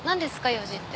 用事って。